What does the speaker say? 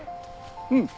うん。